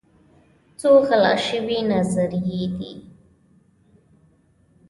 څو غلا شوي نظريې دي